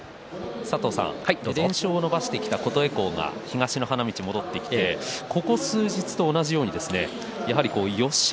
連勝を伸ばしてきた琴恵光が東の花道を戻ってきてここ数日と同じようにやはりよっしゃ！